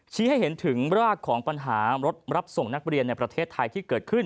ให้เห็นถึงรากของปัญหารถรับส่งนักเรียนในประเทศไทยที่เกิดขึ้น